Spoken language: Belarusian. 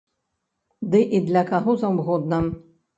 Ды і для каго заўгодна!